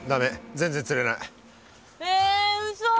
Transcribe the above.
全然釣れない。えうそ！